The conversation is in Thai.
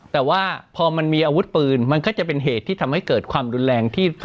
แต่ว่าพอมันมีอาวุธปืนมันก็จะเป็นเหตุที่ทำให้เกิดความรุนแรงที่